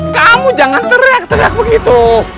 kamu jangan teriak teriak begitu